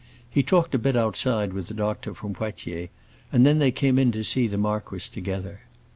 He talked a bit outside with the doctor from Poitiers, and then they came in to see the marquis together.